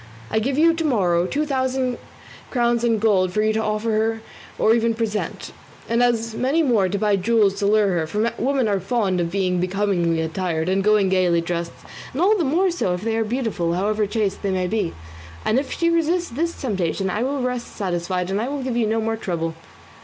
I will give you to morrow two thousand crowns in gold for you to offer or even present, and as many more to buy jewels to lure her, for women are fond of being becomingly attired and going gaily dressed, and all the more so if they are beautiful, however chaste they may be; and if she resists this temptation, I will rest satisfied and will give you no more trouble."